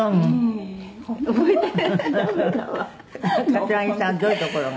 「柏木さんどういうところが？」